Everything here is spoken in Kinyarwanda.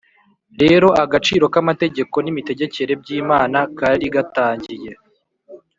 rero agaciro k amategeko n imitegekere by Imana kari gatangiye